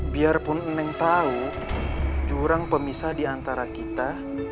biarpun neng tau jurang pemisah diantara kita